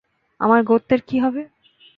আমার গোত্রের কী হবে?